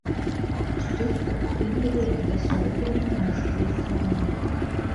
Шчыт падтрымліваюць два сярэбраныя марскія сланы.